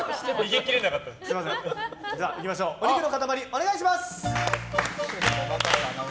お肉の塊お願いします！